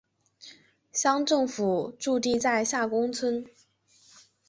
乡政府驻地在下宫村。